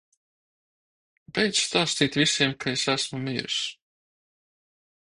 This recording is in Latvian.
Beidz stāstīt visiem, ka es esmu miris!